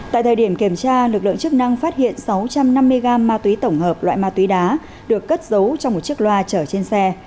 tại thời điểm kiểm tra lực lượng chức năng phát hiện sáu trăm năm mươi gram ma túy tổng hợp loại ma túy đá được cất giấu trong một chiếc loa chở trên xe